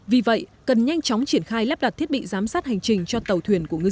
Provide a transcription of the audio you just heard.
vì vậy cần nhanh chóng triển khai lắp đặt thiết bị giám sát hành trình cho tàu thuyền của ngư dân